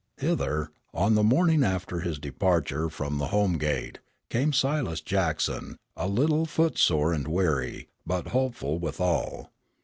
Hither, on the morning after his departure from the home gate, came Silas Jackson, a little foot sore and weary, but hopeful withal.